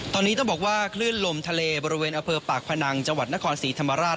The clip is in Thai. ตอนนี้ต้องบอกว่าคลื่นลมทะเลบริเวณอเภอปากพนังจังหวัดนครศรีธรรมราช